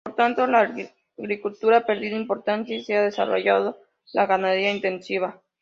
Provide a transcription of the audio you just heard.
Por tanto, la agricultura ha perdido importancia y se ha desarrollado la ganadería intensiva.